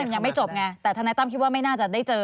ยังไม่จบไงแต่ธนายตั้มคิดว่าไม่น่าจะได้เจอ